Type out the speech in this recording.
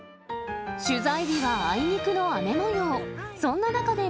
取材日はあいにくの雨もよう。